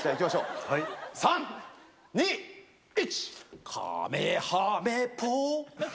３、２、１。